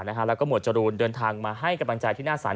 แล้วก็หมวดจรูนเดินทางมาให้กำลังใจที่หน้าศาล